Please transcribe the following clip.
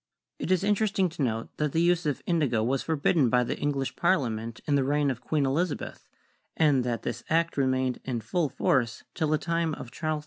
It is interesting to note that the use of in digo was forbidden by the English Parliament in the reign of Queen Elizabeth, and that this act remained in full force till the time of Charles II.